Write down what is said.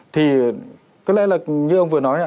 thì có lẽ là như ông vừa nói